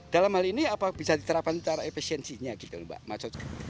dalam hal ini bisa diterapkan secara efisiensinya gitu mbak